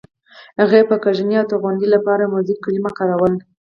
هغې به د کږنې او غندنې لپاره موزیګي کلمه کاروله.